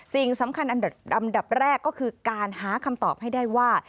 สิ่งสำคัญอันดับแรกก็คือการหาคำตอบให้ได้ว่า